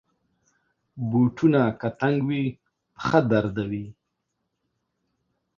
بوټونه که تنګ وي، پښه دردوي.